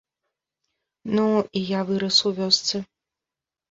Ну, і я вырас у вёсцы.